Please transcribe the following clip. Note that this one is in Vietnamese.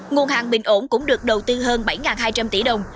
nguồn hàng bình ổn cũng được đầu tư hơn bảy hai trăm linh tỷ đồng